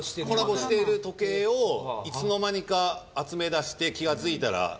コラボしている時計をいつの間にか集めだして気が付いたら。